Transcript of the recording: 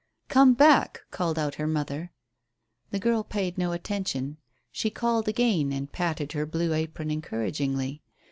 "Come back," called out her mother. The girl paid no attention. She called again, and patted her blue apron encouragingly.